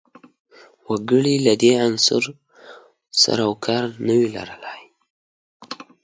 وګړي له دې عنصر سر و کار نه وي لرلای